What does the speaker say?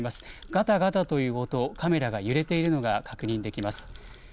ガタガタという音、カメラが揺れているのが確認できます。